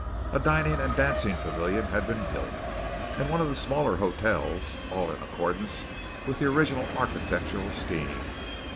A dining and dancing pavilion had been built, and one of the smaller hotels all in accordance with the original architectural scheme.